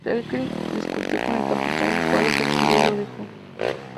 Selkirk discutió con el capitán el cual lo castigó y lo dejó.